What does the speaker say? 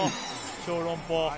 小籠包。